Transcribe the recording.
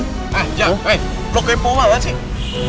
hei jat bloknya poh banget sih